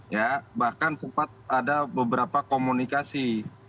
ya bahkan sempat ada beberapa komunikasi